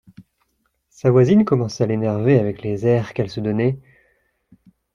sa voisine commençait à l’énerver avec les airs qu’elle se donnait.